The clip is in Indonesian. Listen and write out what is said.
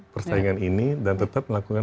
persaingan ini dan tetap melakukan